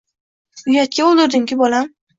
Uyatga o‘ldirding-ku, bolam.